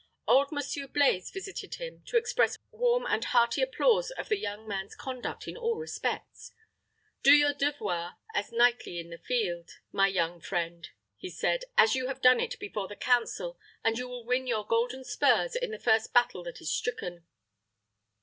Old Monsieur Blaize visited him, to express warm and hearty applause of the young man's conduct in all respects. "Do your devoir as knightly in the field, my young friend," he said, "as you have done it before the council, and you will win your golden spurs in the first battle that is stricken."